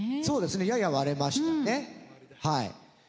そうですねやや割れましたねはい。